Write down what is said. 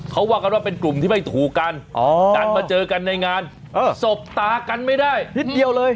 เขาว่ากันว่าเป็นกลุ่มที่ไม่ถูกกันดันมาเจอกันในงานสบตากันไม่ได้นิดเดียวเลย